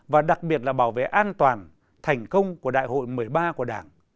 và đặc biệt là bảo vệ an toàn thành công của đại hội một mươi ba của đảng